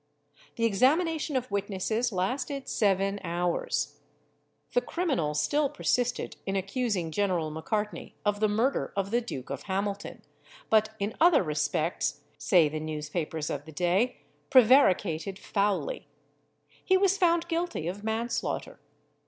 The examination of witnesses lasted seven hours. The criminal still persisted in accusing General Macartney of the murder of the Duke of Hamilton, but in other respects, say the newspapers of the day, prevaricated foully. He was found guilty of manslaughter.